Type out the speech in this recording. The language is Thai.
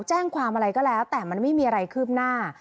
แจ้งความอะไรก็แล้วแต่มันไม่มีอะไรคืบหน้า